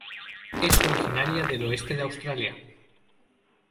Es originaria del oeste de Australia.